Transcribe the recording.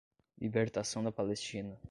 Libertação da Palestina